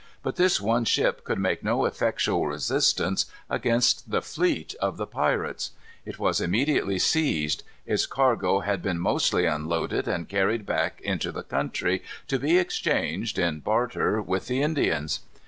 But this one ship could make no effectual resistance against the fleet of the pirates. It was immediately seized. Its cargo had been mostly unloaded and carried back into the country, to be exchanged, in barter, with the Indians.